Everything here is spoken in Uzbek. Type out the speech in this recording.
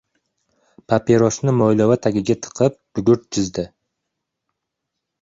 Papirosni mo‘ylovi tagiga tiqib, gugurt chizdi.